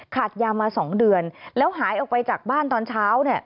ขาดยามา๒เดือนแล้วหายออกไปจากบ้านตอนเช้าเนี่ย